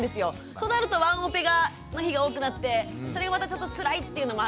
となるとワンオペの日が多くなってそれがまたちょっとつらいっていうのもあるし。